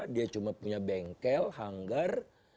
dia cuma punya bengkel hanggar